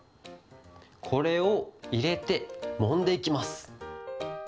これをいれてもんでいきます。